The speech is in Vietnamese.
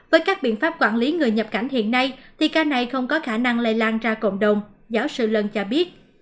với các biện pháp quản lý người nhập cảnh hiện nay thì ca này không có khả năng lây lan ra cộng đồng giáo sư lân cho biết